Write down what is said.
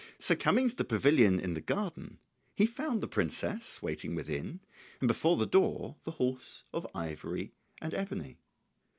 So coming to the pavilion in the garden he found the princess waiting within, and before the door the horse of ivory and ebony.